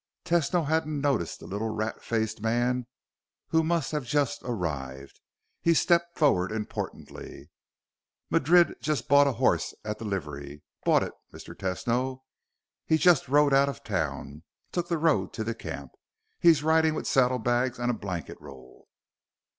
Tesno hadn't noticed the little rat faced man, who must have just arrived. He stepped forward importantly. "Madrid just bought a horse at the livery. Bought it, Mr. Tesno. He just rode out of town. Took the road to the camp. He's riding with saddlebags and a blanket roll."